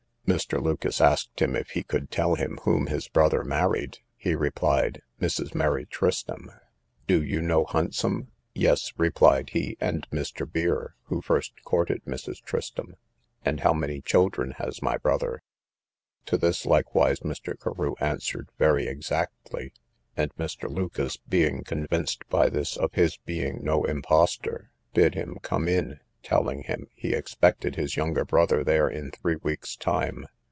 Mr. Lucas asked him, if he could tell him whom his brother married; he replied, Mrs. Mary Tristam. Do you know Huntsham? Yes, replied he, and Mr. Beer, who first courted Mrs. Tristam. And how many children has my brother? To this likewise Mr. Carew answered very exactly; and Mr. Lucas, being convinced by this of his being no imposter, bid him come in, telling him, he expected his youngest brother there in three weeks time.